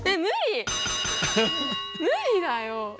無理だよ。